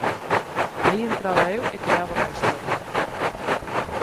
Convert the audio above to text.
Aí entraba eu e creaba unha historia.